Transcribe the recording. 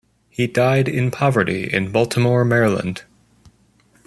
He died in poverty in Baltimore, Maryland.